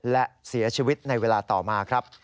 และเสียชีวิตในเวลาต่อมาครับ